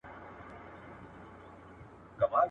• تر يوې خرما دوې اوڅکي ښې دي.